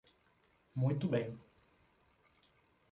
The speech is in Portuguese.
Muito bem!